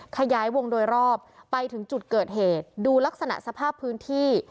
ขยายวงโดยรอบไปถึงจุดเกิดเหตุดูลักษณะสภาพพื้นที่